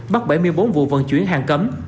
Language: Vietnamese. bắt bảy mươi bốn vụ vận chuyển hàng cấm